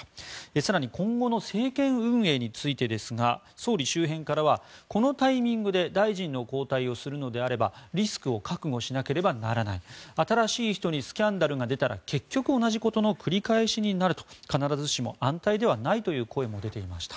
更に今後の政権運営についてですが総理周辺からはこのタイミングで大臣の交代をするのであればリスクを覚悟しなければならない新しい人にスキャンダルが出たら結局同じことの繰り返しになると必ずしも安泰ではないという声も出ていました。